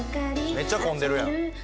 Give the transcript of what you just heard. めっちゃ混んでるやん。